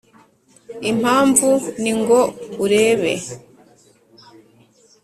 impamvu ni ngo urebe!